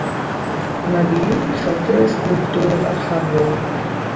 Над ім чатыры скульптуры архангелаў.